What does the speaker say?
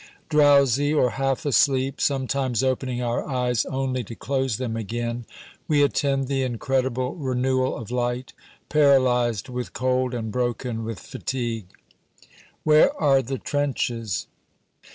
Drowsy or half asleep, sometimes opening our eyes only to close them again, we attend the incredible renewal of light, paralyzed with cold and broken with fatigue. Where are the trenches?